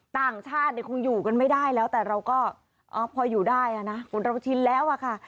ต่างชาติคงอยู่กันไม่ได้แล้วแต่เราก็พออยู่ได้นะคุณเราชินแล้วค่ะ